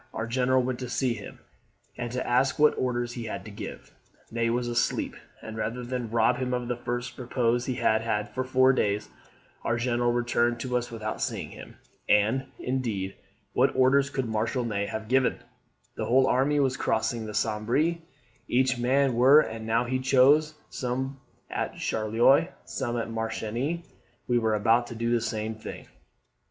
Our general went to see him, and to ask what orders he had to give. Ney was asleep; and, rather than rob him of the first repose he had had for four days, our General returned to us without seeing him. And, indeed, what orders could Marshal Ney have given? The whole army was crossing the Sambre, each man where and now he chose; some at Charleroi, some at Marchiennes. We were about to do the same thing.